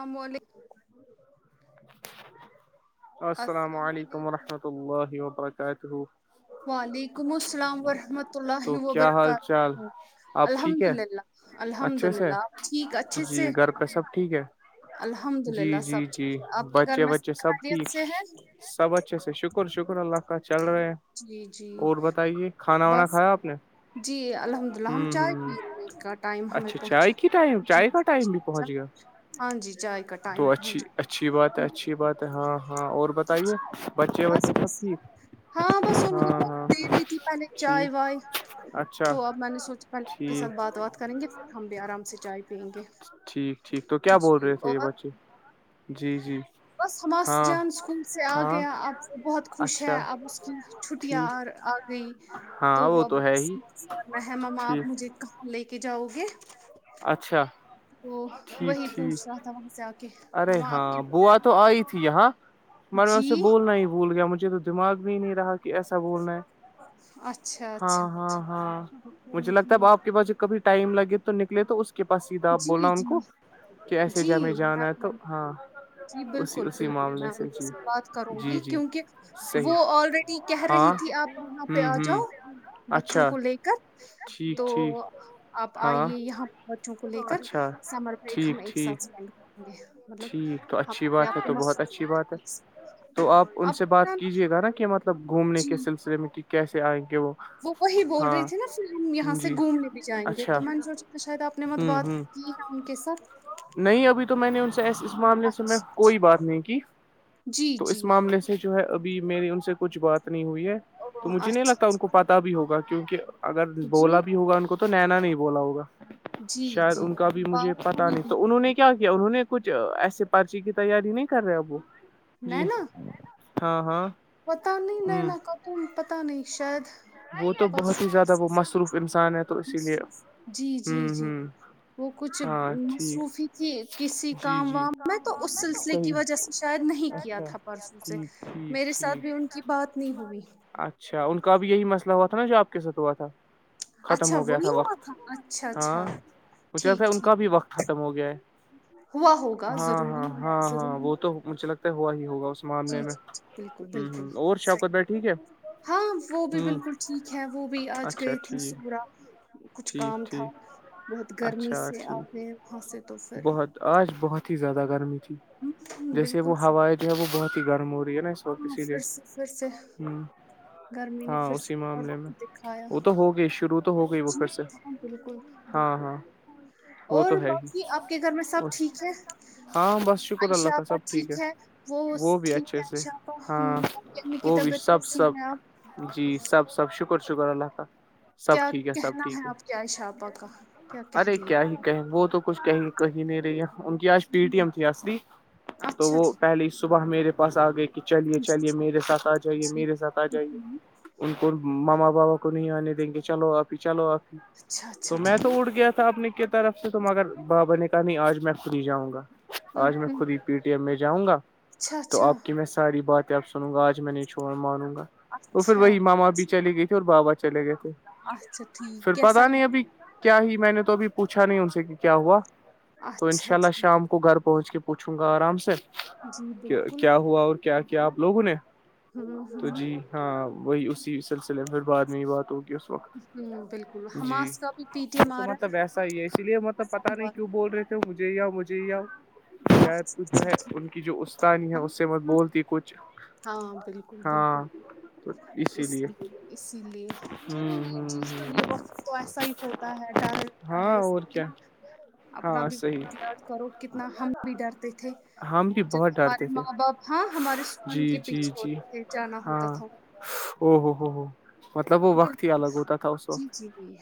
امر [inaudible] السلام علیکم ورحمۃ اللہ وبرکاتہ وعلیکم السلام ورحمۃ اللہ تو کیا حال چال وبرکاتہ آپ ٹھیک الحمد ہے للہ الحمد للہ آپ ٹھیک اچھے سے کا سب ٹھیک ہے الحمد جی للہ جی سب جی ٹھیک ہے آپ کے گھر بچے میں بچے سب خیریت ٹھیک سے ہے سب اچھے سے شکر شکر اللہ کا چل رہے ہیں جی جی اور بتائیے کھانا وانا بس کھایا آپ نے جی الحمد للہ ہم چائے ہوں ہ پینے کا ٹائم ہمیں اچھا چائے پہنچا کی ٹائم جی چائے کا ٹائم بھی پہنچ گیا [inaudible] ہاں جی چائے کٹ تو اچھی اچھی بات ہے اچھی بات ہے ہاں ہاں اور [inaudible] بتائیے بچے وچے بس سب بس ٹھیک ہاں بس ہاں انہیں تو ہاں دے رہی تھی پہلے چائے ٹھیک وائے اچھا تو اب میں نے سوچا پہلے آپ کے ساتھ ٹھیک بات بات کریں گے پھر ہم بھی آرام سے چائے پیئیں گے ٹھیک ٹھیک تو کیا بول جی رہے تھے یہ اور بچے جی جی بس ہماس ہاں جان اسکول سے آ ہاں گیا اب وہ بہت خوش ہے اچھا اب اس کی چھٹیاں ٹھیک اور آ گئییں تو ہاں وہ ہے ہی ابنا ہے مما ٹھیک آپ مجھے کہاں لے کے جاؤ گے [inaudible] اچھا تو ٹھیک وہی ٹھیک پوچھ رہا تھا وہاں سے آ کے ارے ما آپ ہاں کس بوا تو آئی تھی یہاں میں نے اس سے بولنا ہی بھول گیا مجھے تو دماغ میں ہی نہیں رہا کہ ایسا بولنا ہے اچھا ہاں اچھا ہاں اچھا ہاں مجھے ہوں لگتا ہے اب ہوں آپ کے پاس جب کبھی ٹائم لگے تو نکلے تو اس کے پاس سیدھا آپ جی بولا ان جی کو کہ ایسے ج ہمیں جی میں جانا ہے تو ہاں اسی اسی معاملے سے جی جی جی صحیح [unintelligible] کہہ رہی ہاں تھی آپ ہوں ہوں اچھا ٹھیک تو ٹھیک آپ ہاں آئیے یہاں کو لے کر اچھا سمر بیک ٹھیک ہم ایک ساتھ ٹھیک اسپینڈ کریں گے مطلب ٹھیک تو ہم اچھی اپنے بات ہے آپ کو تو بہت مصروف اچھی بات رکھیں ہے گے اس میں تو آپ ان سے بات کیجے گا نا کہ مطلب گھومنے جی کے سلسلے میں کہ کیسے آئیں گے وہ وہ وہی بول ہاں رہی تھی نا پھر ہم یہاں سے جی گھومنے بھی جائیں گے تو میں نے سوچا شاید آپ نے مت بات ہی [inaudible] کی ان کے ساتھ نہیں ابھی تو میں نے ان سے ایس اس معاملے سے میں اچھا کوئی اچھا، بات نہیں کی جی تو جی اس معامل سے جو ہے اب میری ان سے کچھ بات نہیں ہوئی ہے او تو اچھا مجھے نہیں لگتا ان اچھا کو پ بھی ہوگا کیونکہ اگر جی بولا بھی ہوگا ان کو تو نینا نہیں بولا ہوگا جی شاید جی ان کا اب بھی مجھے بات پتا ہوئی نہیں بھی تو انہوں تھی۔ نے کیا کیا انہوں نے کچھ ایسے پرچی کی تیاری نہیں کر رہا وہ جی ہاں ہاں پتہ نہیں ہ نینا خاتون پتہ نہیں شید وہ تو بہت ہی زیادہ وہ مصروف انسان ہے تو اسی لیے [inaudible] جی ہ جی جی ہ [inaudible] وہ کچھ ہاں ٹھیک مصروفی تھی کسی جی کام جی وام میں تو اس سلسلے صحیح کی وجہ سے شاید نہیں کیا اچھا تھا پرسوں سے ٹھیک ٹھیک میرے ساتھ ٹھیک بھی ان کی بات نہیں ہوئی اچھا ان کا بھی یہی مسئلہ ہوا تھا نا جو آپ کے ساتھ ہوا تھا ختم اچھا ہو گیا وہی تھا ہوا وقت اچھا اچھا ہاں وہھسے ٹھیک ان ٹھیک کا بھی وقت ختم ہو گیا ہے ہوا ہوگا ہاں ہاں ضروری ہے ہاں ہاں ضروری وہ تو مجھے لگتا ہے ہوا ہی ہوگا اس جی معاملے میں جی جی بالکل ہ ہ بالکل اور شوکت صحیح بہ ٹھیک ہے ہاں وہ بھی ہ بالکل ٹھیک ہے وہ بھی آج اچھا گئے تھے ٹھیک سورا کچھ ٹھیک کام تھا ٹھیک بہت گرمی اچھا سے آ ٹھیک گئے وہاں سے تو پھر بہت آج بہت ہی زیادہ گرمی تھی ہوں جیسے بالکل وہ صحیح ہوا جو ہے وہ بہت ہی گرم ہوی ہے نا س ہاں پیسیی پھر لیے سے پھر سے ہ [inaudible] گرمی نے ہاں پھر سے اسی اور معاملے رخ میں دکھایا وہ تو ہوگئی شروع تو ہو گئی وہ جی پھر سے ہاں بالکل ہاں بالکل ہاں وہ اور تو ہے ہی باقی آپ کے گھر میں سب اس، ٹھیک ہے ہاں بس شکر عائشا کا اللہ سب ٹھیک ہے وہ بھی وہٹھیک اچھے [inaudible] سے اچھا ہ ہاں م کی وہ بھی طبیعت ہی سب ہسی سب ہے [inaudible] جی سب سب شکر شکر اللہ کا سب کیا ٹھیک ہے سب کہنا ٹھیک ہے آپ کے عائشہ آپا کا کیا کہہ ارے رہی کیا ہے ہی کہیں وہ تو کچھ کہیں کہیں نہیں رہی ان کی آج پی ٹی ہوں ایم تھی اصلی تو اچھا وہ جی پہلے صبح میرے بس آ گئے کہ چلیے جی چلیے جی میرے ساتھ آ جائیے جی میرے ساتھ آ جائیے ہوں ان کو ماما بابا کو نہیں آنے دیں گے چلو ابھی چلو اچھا اچھا تو میں تو ٹھیک اٹ گیا تھا اپنے کی طرف سے تو مگر بابا نے کہا نہیں آج میں پلی جاؤں گا ہوں آج میں ہوں خود ہی پی ٹی ایم میں جاؤں گا اچھا تو اچھا آپ کی میں ساری باتیں آ سنوں گا آج میں نہیں چھوڑ مانوں گا وہ پھر اچھا وہی ماما بھی چلیے گئے تھے اور بابا چلے گئے تھے اچھا ٹھیک پھر کیسا پتا نہیں رہا ابھی کیا ہی میں نے تو ابھی پوچھا نہیں ان سے کہ کیا ہوا تو ان اچھا شاء اللہ جی شام کو گھر پہنچ کے پوچھوں گا آرام سے جی کہ بالکل کیا ہوا اور کیا کیا آپ لوگوں نے ہوں تو ہوں جی ہاں وہی اسی سلسلے میں پھر بعد میں ہی بات ہوگی اس ہوں بالکل وقت جی حماس کا بھی پی ٹی وہ ایم تو آ رہا مطلب ویسا ہی ہے اسی لیے مطلب پتا نہیں سموار کیوں کو بول رہے تھے مجھے آؤ مجھے ہی آؤ شاید اچھا، کچھ جو اچھا، ہے ٹھیک ان کی جو استاانی ہے ہم اس سے مت اتنا بولتی کچھ ہاں بالکل بالکل ہاں تو اسی اس لیے اسی لیے ہ چلو یہ چیز تو یہ ہ وقت تو ایسا ہی ہوتا ہے ڈر رہتا ہاں ہے اس اور لیے کیا نا اپنا ہاں بھی صحیح وقت یاد کرو کتنا ہم بھی ڈرتے تھے ہم بھی جب بہت ڈرتے ہمارے تھے ماں باپ ہاں ہمارے اسکول جی کے جی پیچھے جی ہوتے تھے جانا ہوتا ہاں تھا ا ہو ہو ہو مطلب وہ وقت ہی بالکل، الگ ہوتا تھا اس جی، وقت جی، جی،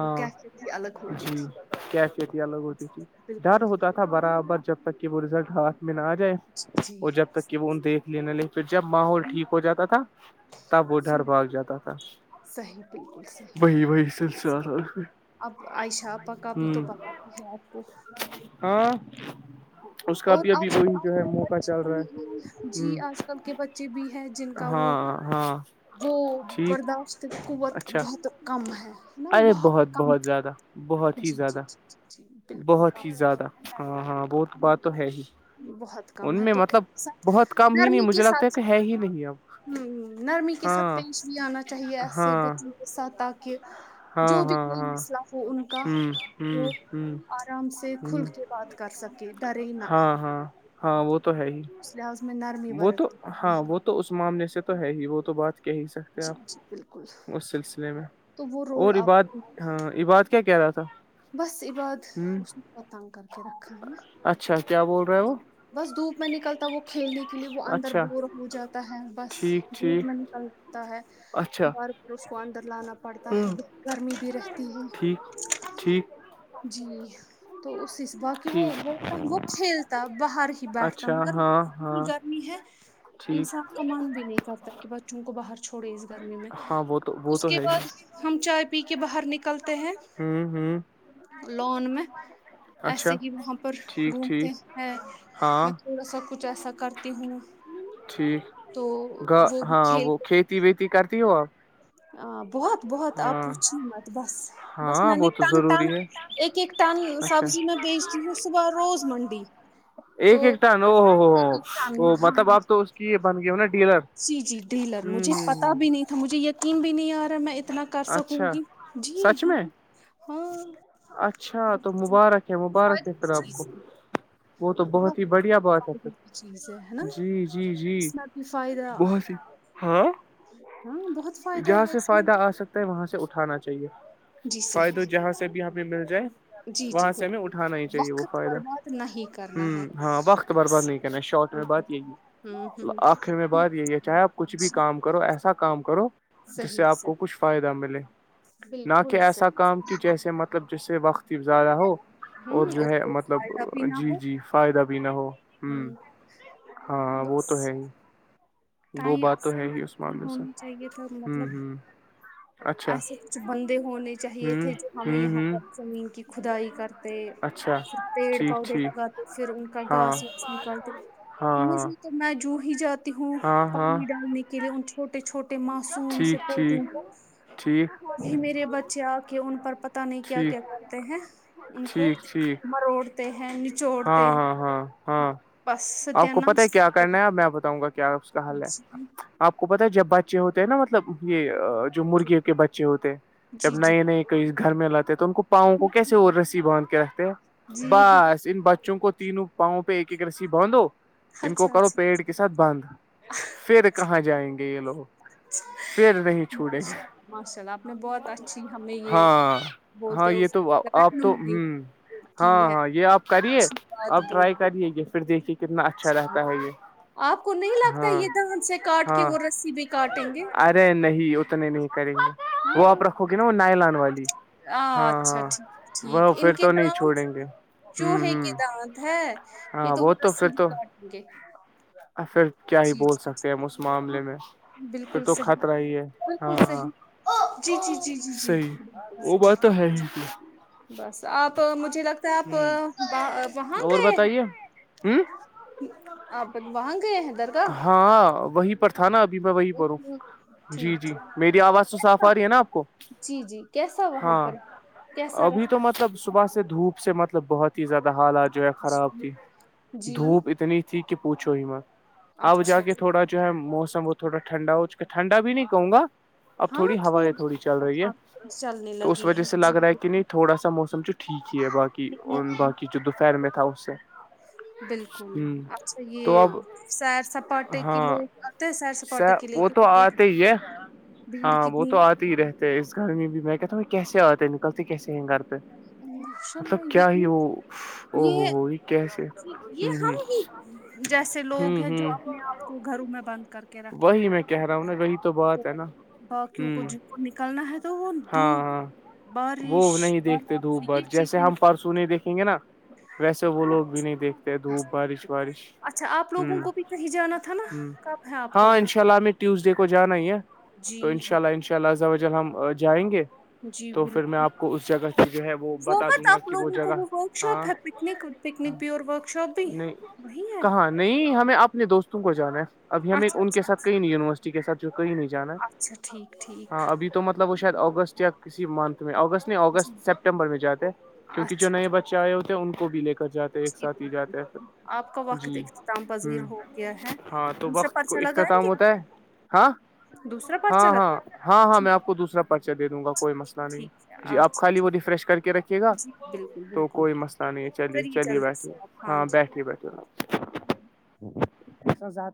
وہ کیفیت ہی الگ ہوتی جی تھی، کیا کہتی لوگ ہوتی ڈر بالکل، ہوتا تھا برابر جب تک کہ وہ رزلٹ ہاتھ میں نہ آ جائے جی، جی، اور جب تک کہ وہ ان دیکھ لنےا لیک پ جب ماحول ہوں، ٹھیک ہو جاتا تھا تب وہ ڈر بھاگ جاتا تھا صحیح، بالکل صحیح، صحیح۔ وہی وہی سنس اب عائشہ پکا بھیھی تو پتا مجھے آپ کو ہاں اس کا اور بھی ابھی آج وہی کل جو ہے کے موقع چل رہا ہے ہوں ان کے بچی بھی ہے ہاں ہاں وہ ٹھیک برداشت قوت اچھا بہت کم ہے نا بہت کم بہت ہی جی جی زیادہ جی جی بالکل بہت ہی کم زیادہ ہاں ہاں وہ تو بات تو ہے ہی بہت ان کم ہے میں تو مطلب کے ساتھ بہت کم ہی نہیں مجھے لگتا ہے کہ ہے ہی نہیں اب ہ نرمی کے ساتھ ہاں پیش بھی آنا چاہیے ایسے ہاں بچوں کے ساتھ تاکہ جو ہاں بھی ہاں کوئی ہاں مسئلہ ہو ان کا ہوں ہوں ہو ہوں آرام سے کھل کے بات کر سکے ڈرے نہ ہ ہاں ہاں وہ تو ہے ہی اسز مینار میں وہ تو برتنی چاہیے ہاں وہ تو اس معاملے سے تو ہے ہی وہ تو بات کہ ہی سک جی آ جی بالکل اس سلسلے میں تو وہ رول اور آپ عباد کو ہاں عباد کیا کہہ رہا تھا بس عباد ہ اس نے تنگ کر کے رکھا ہے [inaudible] اچھا کیا بول رہا ہے وہ بس دھوپ میں نکلتا وہ کھیل دی کے لیے وہ اندر اچھا بور ہو جاتا ہے بس ٹھیک دپ ٹھیک میں نکلتا ہے اچھا اس کو اندر لانا پڑتا ہے گرمی بھی رہتی ہے ٹھیک ٹھیک جی تو اس باقی وہ ٹھیک وہتا وہ تا باہر ہی بیٹھتا اچھا مگر ہاں اتنی ہاں گرمی ہے انسان ٹھیک کا من بھی نہیں کرتا کہ بچوں کو باہر چھوڑے اس گرمی میں ہاں وہ تو وہ اس تو کے ہے ہی بعد ہم چائے پی کے باہر نکلتے ہیں ہوں ہوں لون میں اچھا ایسے ہی وہاں پر ٹھیک ٹھیک ہیں ہاں میں تھوڑا سا کچھ ایسا کرتی ہوں [inaudible] ٹھیک تو گ وہ بھی ہاں کھیل وہ کھیتی ویتی کرتی ہو آپ ہ بہت بہت آپ ہاں پوچھی مت بس بس ہاں میں وہ نے تو ٹنگ ضروری ٹنگ ہے [inaudible] ایک ایک ٹن اچھا سبزی میں بیچتی ہوں صبح روز منڈی ایک تو ایک ٹن او ہو ایک ٹن ہو ہاں مطلب آپ تو اس کی بن گئے ہو نا ڈیلر جی جی ڈیلر ہ مجھے ہ پتا بھی ہ نہیں تھا مجھے یقین بھی نہیں آ رہا میں اتنا کر سکوں اچھا گی جی سچ ہاں میں ہاں اچھا تو بہت مبارک ہے فائد مبارک ہے پھر اس آپ کو چیز [inaudible] وہ تو بہت ہی بڑھیا بات ہے پھر ت چیز ہے نا جی جی جی [inaudible] ف فائدہ [inaudible] بہت ہی ہاں ہاں بہت فائدہ جہاں ہے سے اس میں فائدہ آ سکتا ہے وہاں سے اٹھانا چاہیے جی صحیح فائدہ جہاں سے بھی آ پہ مل جائے جی جی وہاں سے ہمیں بالکل اٹھانا ہی چاہیے وہ وقت فائدہ برباد نہیں ہ کرنا ہے ہاں وقت برباد بس نہیں کرنا شارٹ ہوں بات یہی ہوں ہے ہوں آخر میں بات یہی ہے چاہے آپ کچھ بھی جی کام کرو ایسا کام کرو جس سے صحیح آپ کو صحیح کچھ فائدہ ملے نہ بالکل کہ ایسا صحیح کام کی جیسے مت مطلب جس سے وقت ہی زیادہ ہو اور ہوں جو ہے کوئی مطلب فائدہ بھی نہ جی ہو جی فائدہ بھی نہ ہو [inaudible] ہوں ہاں وہ تو ہے ہی وہ تائ بات تو اصل ہے ہی اس نہیں معاملے سے ہونا چاہیے تھا ہوں مطلب [inaudible] ہوں اچھا ایسے کچھ بندے ہونے چاہیے ہوں تھے جو ہمیں ہوں یہاں پر ہوں زمین کی کھدائی کرتے اچھا پھر پیڑ ٹھیک پودے ٹھیک لگاتے پھر ان کا ہاں گاس وس نکالتے ہاں ہاں مجھے تو میں جو ہی جاتی ہوں ہاں ہاں پانی ڈالنے کے لیے ان چھوٹے چھوٹے معاسوم ٹھیک سےپو ٹھیک ٹھیک میرے بچے آ کے ان پر پت نہیں کیا کیا ٹھیک کرتے ہیں ان کو ٹھیک ٹھیک مروڑتے ہیں ان ہاں ہاں ہاں ہاں بس آپ ستیہ کو پتا ہے ناش کر کیا کے کرنا ہے اب میں بتاؤں گا کیا اس کا حل ہے جی آپ کو پت ہے جب بچے ہوتے ہیں نا مطلب یہ جو مرغیوں کے بچے ہوتے ہیں جب جی جی نئے نئے کوئی گھر میں لاتے تو ان کو پاؤں کو کیسے اور رسی باند کے رکھتے ہیں جی ہاں بس ان بچوں کو تینوں پاؤں پہ ایک ایک رسی بانھو ان کو اچھا کرو اچھا پیڑ اچھا۔ کے ساتھ بند پھر کہاں جائیں گے یہ لوگ پھر نہیں چھوڑیں گے ماشاء اللہ ماشاء اللہ آپ نے بہت اچھی ہمیں یہ [inaudible] ہاں ہاں بولتے ہیں یہ اس تو کو ایک آپ تو رہنمائی ہوں [inaudible] ہاں کی ہے ہاں یہ آپ کرے اچھی بات آپ ٹرائی بولی کریے یہ پھر دیکھیے کتنا اچھا رہتا ہے یہ آپ کو نہیں لگتا ہاں یہ دھان سے کاٹ کے ہاں وہ رسی بھی کاٹیں گے ارے نہیں اتنے نہیں کریں گے ہاں وہ آپ رکھو گے نا وہ نائلان والی [inaudible] ہاں اچھا ہاں ٹھیک وہ ان پھر کے تو نہیں دو چھوڑیں گے ہوں چوہے کے ہوں دانت ہے یہ ہاں وہ تو رسی پھر بھی تو کاٹیں گے پھر کیا ہی جی بول جی سکتے ہیں ہم اس ہاں معاملے میں پھر بالکل تو صحیح خطرہ ہی ہے ہاں بالکل ہاں صحیح جی جی جی جی جی صی بالکل وہ بات صحیح تو ہے ہی بس آپ مجھے لگتا ہے آپ ہ وہاں اور گئے ہیں بتائیے ہوں آپ واں گئے ہیں درگاہ ہاں وہیں پر تھا نا ابھی میں وہی پروں ہوں، جی ٹھیک جی ٹھیک میری آواز تو صاف کیسا آ رہی ہے نا آپ کو جی جی کیسا وہاں ہاں پر کیسا ابھی تو مطلب رہتا صبح سے دھوپ سے مطلب بہت ہی زیادہ حالات جو ہے خراب جی تھی جی دھوپ اتنی ٹھیک ہے پوچھو ہی م اب جا اچھا کے تھوڑا جو ہے موسم ہو تھوڑا ٹھنڈا ہو ٹھنڈا بھی نہیں کہوں گا اب تھوڑی ہوائیں تھوڑی چل رہی ہے ہاں چلنے تو اس لگی وجہ سے لگ رہا ہے کہ جی نہیں تھوڑا سا موسم چ ٹھیک ہی ہے باقی باقی جو دوپہر میں تھا اس سے بالکل ہ اچھا تو یہ اب سیر سپاٹے کے ہاں لوگ آتے ہیں سیر سپاٹے کے لیے وہ کے تو آتے ہی ہے ہاں وہ تو آتے ہی رہتے اس گھر میں بھی میں کہتا ہوں کیسے آتے نکلتے کیسے ہیں گھر پہ ج یہ ہو یہ ہو کیسے ہ یہ ہ ہم ہی جیسے لوگ ہوں ہیں جو ہوں اپنے آپ کو گھروں میں بند کر کے رکھے وہی ہوئے میں کہہ رہا ہوں نا وہی تو بات ہے نا باقیوں کو ہوں جن کو نکلنا ہے تو وہ ہاں ہاں دوپ بارش مارش یہ چیز پرسویں دیکھیں گے نا ویسے وہ ہاں لوگ بھی نہیں دیکھتے دھوپ بارش وارش اچھا آپ لوگوں ہوں کو بھی کہیں جانا تھا نا ہ کب ہے آپ کا ہاں وہ؟ انشاء اللہ میں ٹیوزڈے کو جانا ہی ہے تو جی ان شاء ہاں، اللہ انشاء اللہ ہم جائیں گے جی تو پھر میں بالکل آپ کو اس جگہ سے جو ہے وہ بتا مت دوں گا آپ کہ وہ لوگوں کو جگہ ورک شاپ ہاں ہے picnic picnic pure workshop بھی نہیں وہی ہے کہاں نہیں ہمیں اپنے دوستوں کو جانا ہے ابھی ہمیں اچھا ان کے اچھا ساتھ اچھا کہئی نہیں یونیورسٹی کے ساتھ جو کہئی نہیں جانا ہے اچھا ٹھیک ٹھیک ہاں ابھی تو مطلب وہ شاید اگستٹ یا کسی منتھ میں اگستٹ جی اگست سیپٹمبر میں جاتے کیونک جو نئے اچھا بچے آئے ہوتے ہیں ان کو بھی لے کر جاتے ایک جی ساتھ ہی بالکل جاتے ہے آپ کا پھر وقت جی اختتام پذیر ہوں ہو گیا ہے ہاں تو دوسرا وقت کو پرچہ لگائیں اختتام گے ہوتا ہے ہاں دوسرا ہاں پرچہ لگائیں ہاں گے ہاں ہاں میں آپ کو دوسرا پرچہ دے دوں گا کوئی مسئلہ ٹھیک نہیں ٹھیک ہے جی آپ اچھا خالی جی وہ ریفریش کر کے رکھے ٹھ گا جی بالکل تو بالکل کوئی مسئلہ نہیں ہے چلیے کریے چلیے جلدی سے بیٹھیے آپ ہاں جی بیٹھیے بیٹھیے زیادہ ت